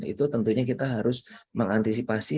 itu tentunya kita harus mengantisipasi